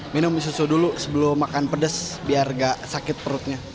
minum susu dulu sebelum makan pedas biar nggak sakit perutnya